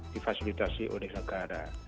difasilitasi oleh negara